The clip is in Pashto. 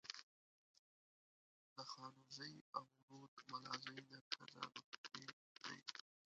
د خانوزۍ او رودملازۍ نر ښځه لوستي دي.